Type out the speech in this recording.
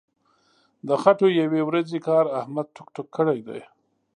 د خټو یوې ورځې کار احمد ټوک ټوک کړی دی.